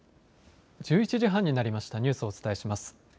１１時半になりましたニュースをお伝えします。